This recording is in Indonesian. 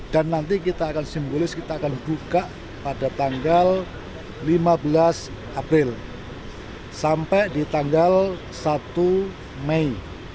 dan nanti kita akan simbolis kita akan buka pada tanggal lima belas april sampai di tanggal satu mei